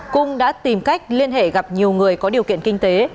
cung đã tìm cách liên hệ gặp nhiều người có điều kiện kinh tế